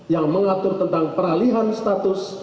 yang mengatur tentang peralihan status